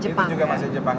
itu juga masih jepang